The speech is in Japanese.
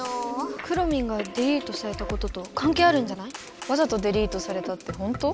くろミンがデリートされたこととかんけいあるんじゃない？わざとデリートされたってほんと？